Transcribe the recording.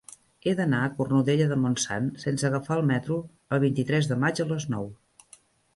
He d'anar a Cornudella de Montsant sense agafar el metro el vint-i-tres de maig a les nou.